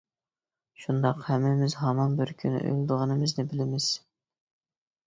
شۇنداق، ھەممىمىز ھامان بىر كۈنى ئۆلىدىغىنىمىزنى بىلىمىز.